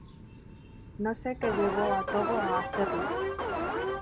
No se que llevó a Togo a hacerlo.